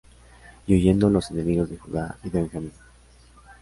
Y oyendo los enemigos de Judá y de Benjamín.